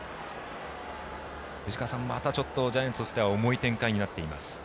藤川さん、またちょっとジャイアンツとしては重い展開になっています。